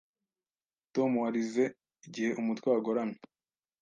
Tom warize igihe umutwe Wagoramye